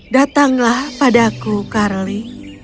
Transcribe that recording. datanglah padaku carly